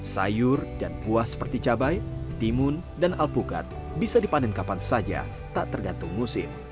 sayur dan buah seperti cabai timun dan alpukat bisa dipanen kapan saja tak tergantung musim